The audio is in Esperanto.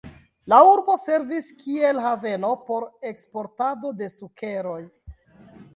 La urbo servis kiel haveno por eksportado de sukeroj.